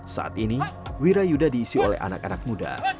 saat ini wirayuda diisi oleh anak anak muda